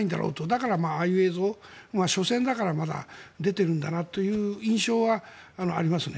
だから、ああいう映像を緒戦だからまだ出てるんだなという印象はありますね。